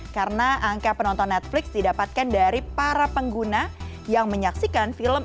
karena angka penonton netflix didapatkan dari para pengguna yang menyaksikan film